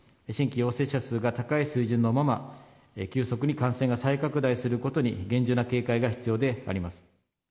新規陽性者数が高い水準のまま、急速に感染が再拡大することに厳重な警戒が必要であります。